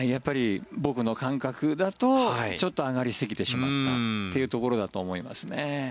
僕の感覚だとちょっと上がりすぎてしまったというところだと思いますね。